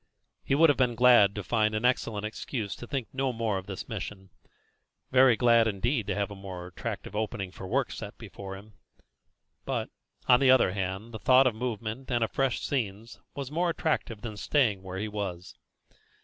He would have been glad to find an excellent excuse to think no more of this mission very glad indeed to have a more attractive opening for work set before him; but, on the other hand, the thought of movement and of fresh scenes was more attractive than staying where he was.